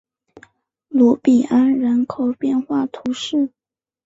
卢比安人口变化图示